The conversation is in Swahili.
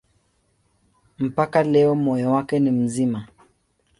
Mpaka leo moyo wake ni mzima.